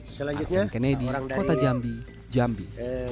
selanjutnya kennedy kota jambi jambi